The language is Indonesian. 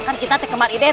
kan kita tek kemariden